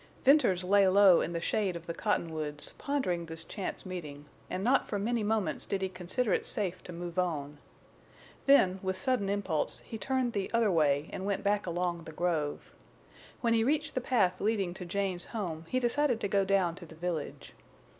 Venters lay low in the shade of the cottonwoods, pondering this chance meeting, and not for many moments did he consider it safe to move on. Then, with sudden impulse, he turned the other way and went back along the grove. When he reached the path leading to Jane's home he decided to go down to the village.